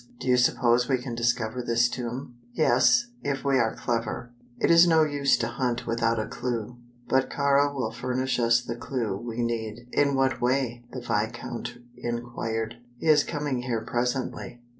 "Do you suppose we can discover this tomb?" "Yes, if we are clever. It is no use to hunt without a clew, but Kāra will furnish us the clew we need." "In what way?" the viscount inquired. "He is coming here presently."